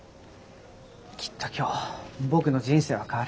きっと今日僕の人生は変わる。